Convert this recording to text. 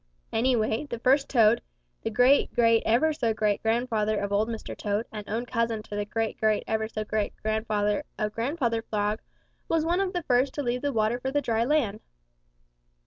Anyway, the first Toad, the great great ever so great grandfather of Old Mr. Toad and own cousin to the great great ever so great grandfather of Grandfather Frog, was one of the first to leave the water for the dry land.